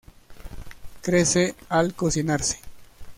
Crece al cocinarse.